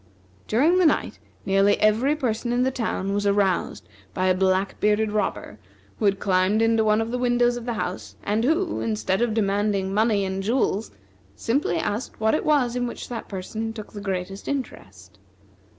During the night nearly every person in the town was aroused by a black bearded robber, who had climbed into one of the windows of the house, and who, instead of demanding money and jewels, simply asked what it was in which that person took the greatest interest.